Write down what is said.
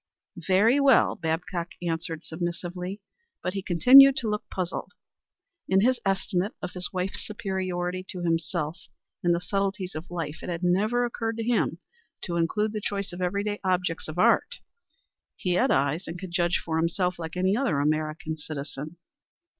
"Very well," Babcock answered submissively. But he continued to look puzzled. In his estimate of his wife's superiority to himself in the subtleties of life, it had never occurred to him to include the choice of every day objects of art. He had eyes and could judge for himself like any other American citizen.